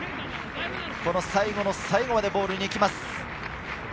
最後の最後までボールにいきます。